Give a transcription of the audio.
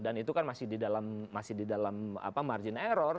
dan itu kan masih di dalam margin error